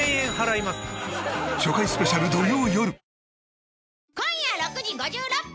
初回スペシャル土曜よる。